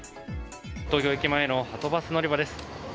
東京駅前のはとバス乗り場です。